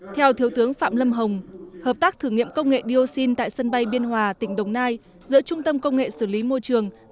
theo thiếu tướng phạm lâm hồng hợp tác thử nghiệm công nghệ dioxin tại sân bay biên hòa tỉnh đồng nai giữa trung tâm công nghệ xử lý môi trường